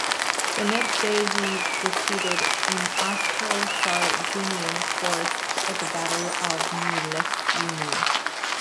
The next day he defeated an Austro-Sardinian force at the Battle of Millesimo.